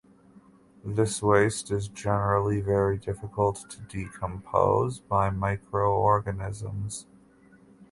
This waste is generally very difficult to decompose by microorganisms.